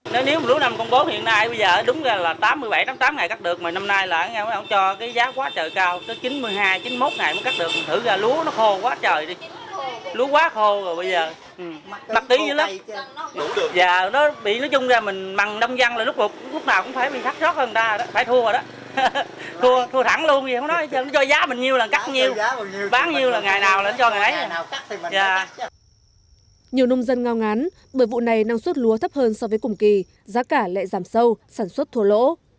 nhiều nông dân ngao ngán bởi vụ này năng suất lúa thấp hơn so với cùng kỳ giá cả lại giảm sâu sản xuất thua lỗ